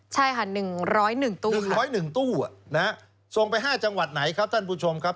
ใช่ค่ะ๑๐๑ตู้๑๐๑ตู้ส่งไป๕จังหวัดไหนครับท่านผู้ชมครับ